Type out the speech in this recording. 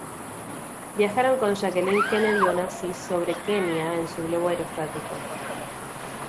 Viajaron con Jacqueline Kennedy Onassis sobre Kenia en su globo aerostático.